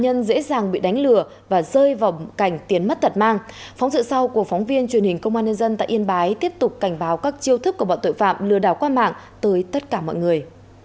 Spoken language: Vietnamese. nạn nhân dễ dàng bị đánh lừa và rơi vào cảnh tiền mất tật mang phóng sự sau của phóng viên truyền hình công an nhân dân tại yên bái tiếp tục cảnh báo các chiêu thức của bọn tội phạm lừa đảo qua mạng tới tất cả mọi người